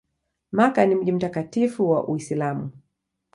Makka ni mji mtakatifu wa Uislamu.